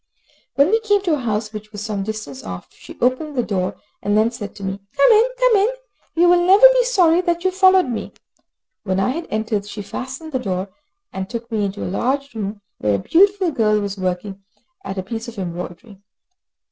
When we came to her house, which was some distance off, she opened the door and then said to me, "Come in, come in; you will never be sorry that you followed me." When I had entered she fastened the door, and took me into a large room, where a beautiful girl was working at a piece of embroidery.